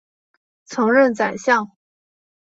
曾任宰相。